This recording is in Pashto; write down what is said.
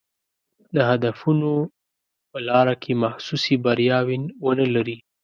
د هدفونو په لاره کې محسوسې بریاوې ونه لري.